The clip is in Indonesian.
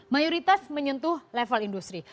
mayoritas menyentuh level industri